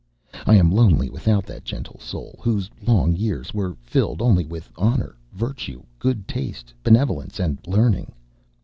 I am lonely without that gentle soul whose long years were filled only with honor, virtue, good taste, benevolence, and learning.